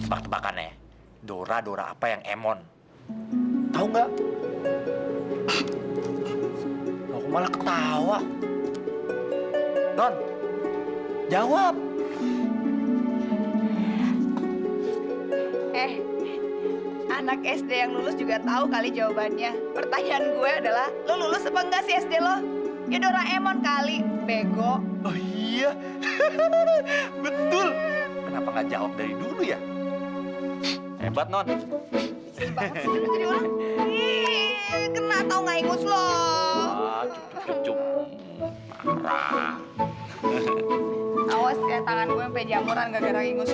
aduh mabuk mulu tuh orang